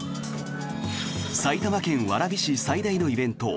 埼玉県蕨市最大のイベント